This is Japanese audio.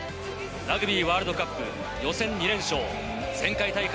ラグビーワールドカップ、予選２連勝、前回大会